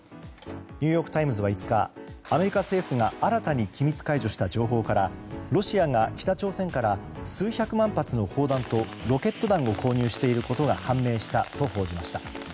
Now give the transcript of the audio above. ニューヨーク・タイムズは５日アメリカ政府が新たに機密解除した情報からロシアが北朝鮮から数百万発の砲弾とロケット弾を購入していることが判明したと報じました。